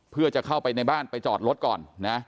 เพื่อจะเข้าไปในบ้านไปจอดรถก่อนนะ